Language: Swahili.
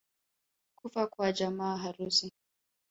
Kufa kwa jamaa, harusi